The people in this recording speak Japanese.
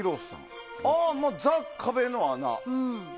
ザ・壁の穴。